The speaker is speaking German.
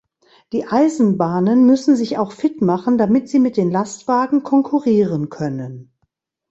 Die Eisenbahnen müssen sich auch fitmachen, damit sie mit den Lastwagen konkurrieren können.